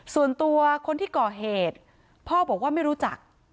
ส่วนตัวคนที่ก่อเหตุพ่อบอกว่าไม่รู้จัก